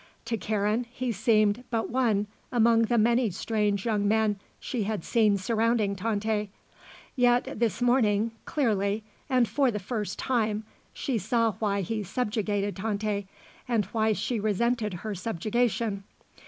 To Karen he seemed but one among the many strange young men she had seen surrounding Tante; yet this morning, clearly, and for the first time, she saw why he subjugated Tante and why she resented her subjugation.